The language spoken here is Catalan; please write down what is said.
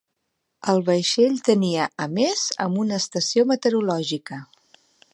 El vaixell tenia a més amb una estació meteorològica.